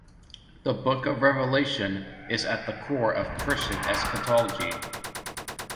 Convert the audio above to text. The Book of Revelation is at the core of Christian eschatology.